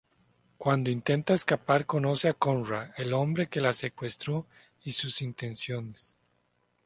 Cuando intenta escapar conoce a Conrad el hombre que la secuestro y sus intenciones.